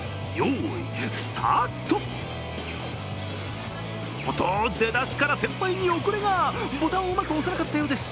おっと、出だしから先輩に遅れがボタンをうまく押せなかったようです。